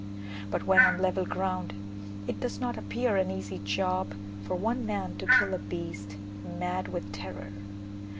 But when on level ground it does not appear an easy job for one man to kill a beast mad with terror.